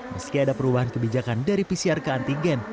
meski ada perubahan kebijakan dari pcr ke antigen